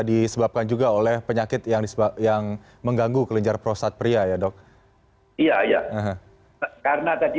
disebabkan juga oleh penyakit yang mengganggu kelenjar prosat pria ya dok iya iya karena tadi